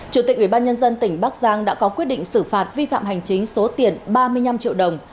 chủ tịch ubnd tỉnh bắc giang đã có quyết định xử phạt vi phạm hành chính số tiền ba mươi năm triệu đồng